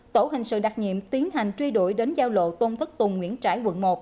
tổ hình sự đặc nhiệm tiến hành truy đuổi đến giao lộ tôn thất tùng nguyễn trãi quận một